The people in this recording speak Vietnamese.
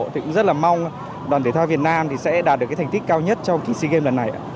cũng rất mong đoàn thể thao việt nam sẽ đạt được thành tích cao nhất trong sea games lần này